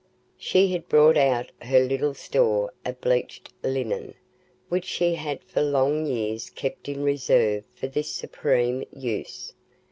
She had brought out her little store of bleached linen, which she had for long years kept in reserve for this supreme use.